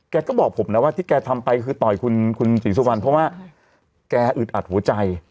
แกก็บอกผมนะว่าที่แกทำไปคือต่อยคุณศรีสุวรรณเพราะว่าแกอึดอัดหัวใจ